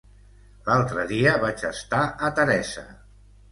L'altre dia vaig estar a Teresa.